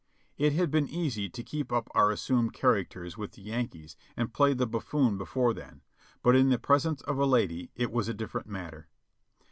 It had been easy to keep up our as sumed characters with the Yankees and play the buffoon before them, but in the presence of a lady it was a different matter.